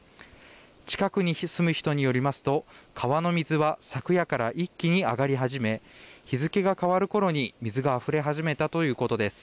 近くに住む人によりますと川の水は昨夜から一気に上がり始め日付が変わるころに水があふれ始めたということです。